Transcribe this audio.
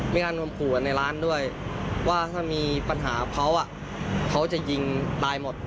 มีการรวมขู่กันในร้านด้วยว่าถ้ามีปัญหาเขาเขาจะยิงตายหมด